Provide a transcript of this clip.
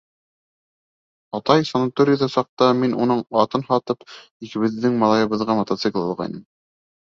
Атай санаторийҙа саҡта мин уның атын һатып, икебеҙҙең малайыбыҙға мотоцикл алғайным.